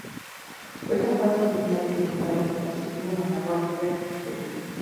Fue capaz de pintar y dibujar mientras estuvo en la Guardia Costera.